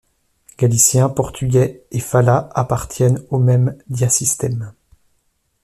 Galicien, portugais et fala appartiennent au même diasystème.